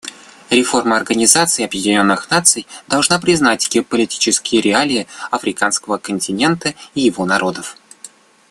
Реформа Организации Объединенных Наций должна признать геополитические реалии африканского континента и его народов.